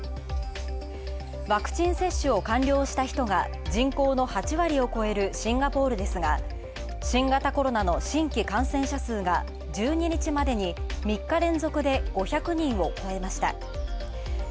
ワクチン接種を完了した人が人口の８割をこえるシンガポールですが、新型コロナの新規感染者数が１２日までに３日連続で５００人を超えました。